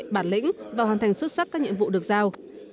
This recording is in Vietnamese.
bản lĩnh và hoàn thành xuất sắc các nhiệm vụ được giao